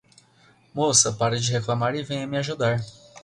Moça, pare de reclamar e venha me ajudar.